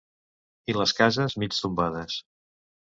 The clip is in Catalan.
I les cases mig tombades...